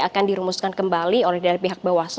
akan dirumuskan kembali oleh pihak bawaslu